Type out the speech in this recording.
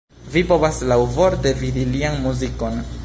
Vi povas laŭvorte vidi lian muzikon.